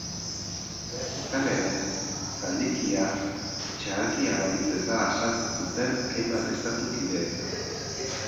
Izan ere, zaldikia txahalkia balitz bezala saltzen zuten hainbat estatu kidetan.